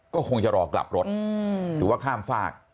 ก็คงจะรอกลับรถหรือว่าข้ามฝาก